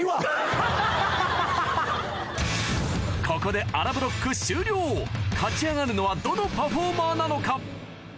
ここであらブロック終了勝ち上がるのはどのパフォーマーなのか？